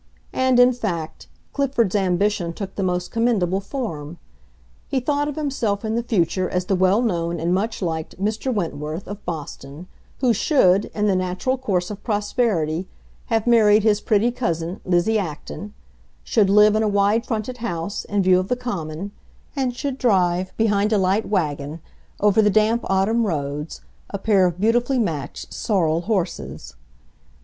And, in fact, Clifford's ambition took the most commendable form. He thought of himself in the future as the well known and much liked Mr. Wentworth, of Boston, who should, in the natural course of prosperity, have married his pretty cousin, Lizzie Acton; should live in a wide fronted house, in view of the Common; and should drive, behind a light wagon, over the damp autumn roads, a pair of beautifully matched sorrel horses.